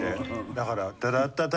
だから。